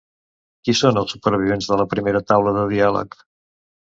Qui són els supervivents de la primera taula de diàleg?